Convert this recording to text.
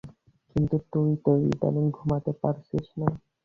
কিন্তু তুই তো ইদানিং ঘুমোতে পারছিস না।